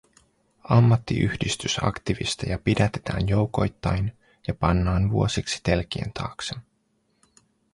Ammattiyhdistysaktivisteja pidätetään joukoittain ja pannaan vuosiksi telkien taakse.